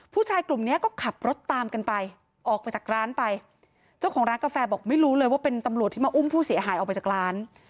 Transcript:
ผู้ชายกลุ่มเนี้ยก็ขับรถตามกันไปออกไปจากร้านไปเจ้าของร้านกาแฟบอกไม่รู้เลยว่าเป็นตำรวจที่มาอุ้มผู้เสียหายออกไปจากร้าน